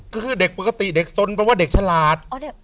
ก็คือเด็กปกติเด็กสนแปลว่าเด็กฉลาด